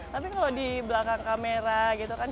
tapi kalau di belakang kamera gitu kan